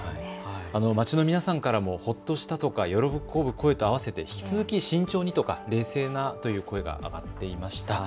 街の皆さんからもほっとしたとか喜ぶ声と合わせて引き続き慎重にとか冷静なという声が上がっていました。